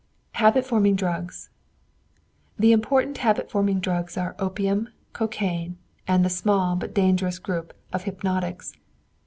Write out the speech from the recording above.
THE HABIT FORMING DRUGS The important habit forming drugs are opium, cocaine, and the small, but dangerous, group of hypnotics.